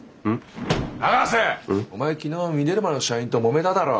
永瀬！お前昨日ミネルヴァの社員ともめただろ！